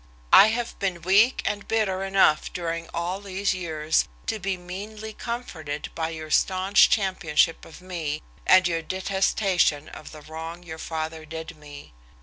I have been weak and bitter enough during all these years to be meanly comforted by your stanch championship of me, and your detestation of the wrong your father did me.